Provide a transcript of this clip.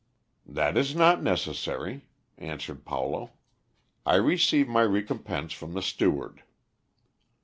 "That is not necessary," answered Paulo. "I receive my recompense from the steward."